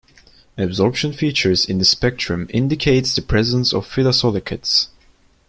Absorption features in the spectrum indicate the presence of phyllosilicates.